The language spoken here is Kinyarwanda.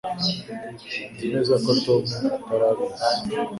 Nzi neza ko Tom atari abizi